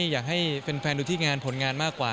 อยากให้แฟนดูที่งานผลงานมากกว่า